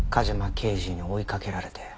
刑事に追いかけられて。